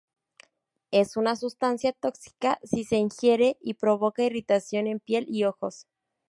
Es una sustancia tóxica si se ingiere y provoca irritación en piel y ojos.